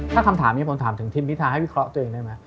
ถ้าคำถามนี้ผมถามถึงทีมพิทาให้วิเคราะห์ตัวเองได้ไหม